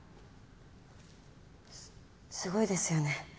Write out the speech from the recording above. すすごいですよね